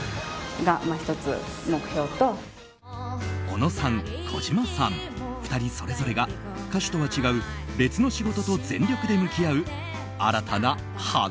おのさん、こじまさん２人それぞれが歌手とは違う別の仕事と全力で向き合う、新たな花＊